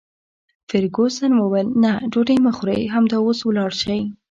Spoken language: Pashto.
فرګوسن وویل: نه، ډوډۍ مه خورئ، همدا اوس ولاړ شئ.